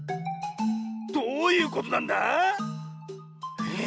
どういうことなんだ⁉えっ。